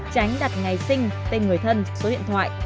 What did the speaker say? tránh đặt ngày sinh tên người thân số điện thoại